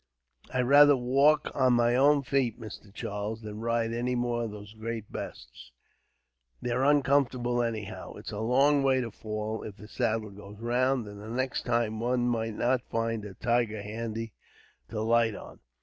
"I'd rather walk on my own feet, Mister Charles, than ride any more on those great bastes. They're uncomfortable, anyhow. It's a long way to fall, if the saddle goes round; and next time one might not find a tiger handy, to light on."